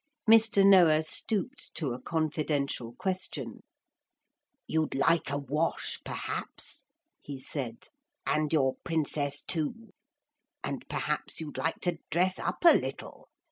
Mr. Noah stooped to a confidential question. 'You'd like a wash, perhaps?' he said, 'and your Princess too. And perhaps you'd like to dress up a little?